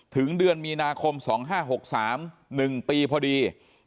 ถึงเดือนมีนาคม๒๕๖๓๑ปีพอดี